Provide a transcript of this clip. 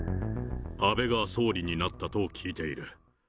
安倍が総理になったと聞いている。